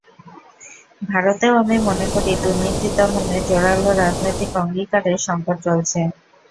ভারতেও আমি মনে করি দুর্নীতি দমনে জোরালো রাজনৈতিক অঙ্গীকারের সংকট চলছে।